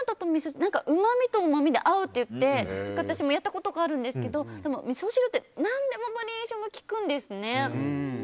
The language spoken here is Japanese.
うまみとうまみで合うって私、やったことあるんですけどみそ汁って何でもバリエーションが利く印象があるんですね。